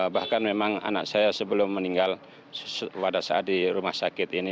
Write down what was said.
bahkan memang anak saya sebelum meninggal pada saat di rumah sakit ini